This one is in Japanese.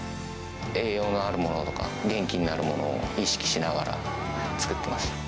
栄養のあるものとか、元気になるものを意識しながら、作ってました。